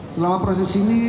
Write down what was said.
selama proses ini